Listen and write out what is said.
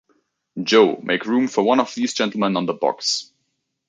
Joe, make room for one of these gentlemen on the box.